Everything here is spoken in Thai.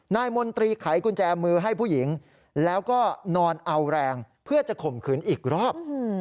มนตรีไขกุญแจมือให้ผู้หญิงแล้วก็นอนเอาแรงเพื่อจะข่มขืนอีกรอบ